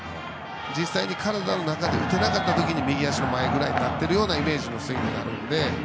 実際に体の中で打てなかった時に右足の前になっているようなイメージのスイングになるので。